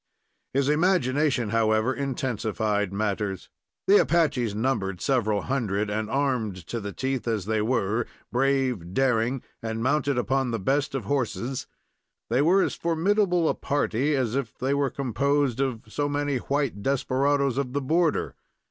His imagination, however, intensified matters. The Apaches numbered several hundred, and, armed to the teeth as they were, brave, daring, and mounted upon the best of horses, they were as formidable a party as if they were composed of so many white desperadoes of the border.